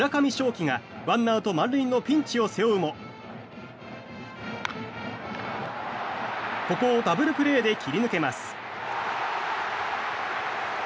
樹がワンアウト満塁のピンチを背負うもここをダブルプレーで切り抜けます。